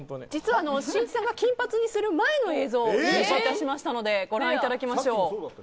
実はあのしんいちさんが金髪にする前の映像を入手いたしましたのでご覧いただきましょう。